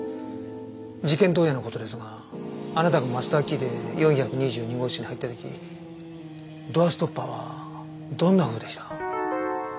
事件当夜の事ですがあなたがマスターキーで４２２号室に入った時ドアストッパーはどんなふうでした？